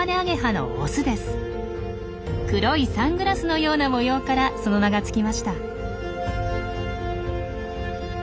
黒いサングラスのような模様からその名が付きました。